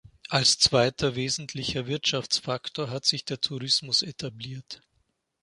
Als zweiter wesentlicher Wirtschaftsfaktor hat sich der Tourismus etabliert.